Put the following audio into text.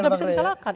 tidak bisa disalahkan